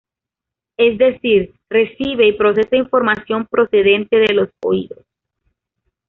Es decir, recibe y procesa información procedente de los oídos.